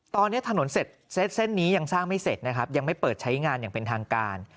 ตอนนี้ถนนเสร็จเส้นนี้ยังสร้างไม่เสร็จนะครับยังไม่เปิดใช้งานอย่างเป็นทางการ